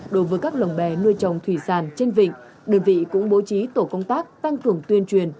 đối với các lồng bè nuôi trồng thủy sản trên vịnh đơn vị cũng bố trí tổ công tác tăng cường tuyên truyền